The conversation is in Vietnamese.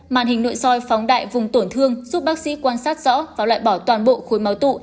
màn hình nội soi phóng đại vùng tổn thương giúp bác sĩ quan sát rõ và loại bỏ toàn bộ khối máu tụ